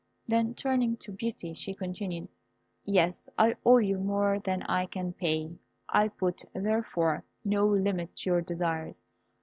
Then turning to Beauty, she continued, "Yes, I owe you more than I can pay. I put, therefore, no limit to your desires.